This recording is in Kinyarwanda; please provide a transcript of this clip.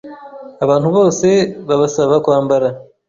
abantu bose babasaba kwambara